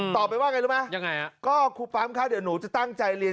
ตอบไปว่าไงรู้ไหมยังไงฮะก็ครูปั๊มคะเดี๋ยวหนูจะตั้งใจเรียน